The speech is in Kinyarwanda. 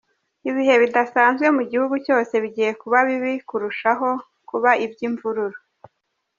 Ibihe bidasanzwe mu gihugu cyose bigiye kuba bibi kurushaho, kuba iby’imvururu.